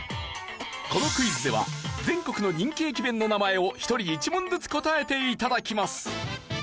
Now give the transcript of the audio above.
このクイズでは全国の人気駅弁の名前を１人１問ずつ答えて頂きます。